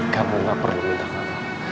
kamu gak perlu minta maaf